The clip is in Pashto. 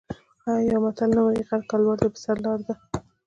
آیا یو متل نه وايي: غر که لوړ دی په سر یې لاره ده؟